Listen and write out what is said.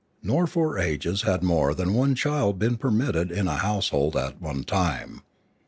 Nor for ages had more than one child been permitted in a household at one time.